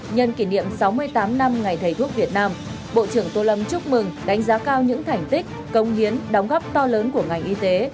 nhân kỷ niệm sáu mươi tám năm ngày thầy thuốc việt nam bộ trưởng tô lâm chúc mừng đánh giá cao những thành tích công hiến đóng góp to lớn của ngành y tế